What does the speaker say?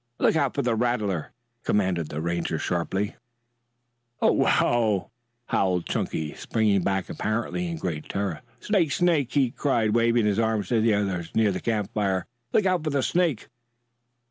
"Look out for the rattler!" commanded the Ranger sharply. "Oh, wow!" howled Chunky springing back apparently in great terror. "Snake, snake!" he cried waving his arms to the others near the campfire. "Look out for the snake!"